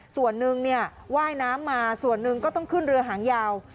ส่วนหนึ่งว่ายน้ำมาส่วนหนึ่งก็ต้องขึ้นเรือหางยาว